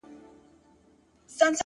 • دا مورچل, مورچل پکتيا او دا شېر برېتي,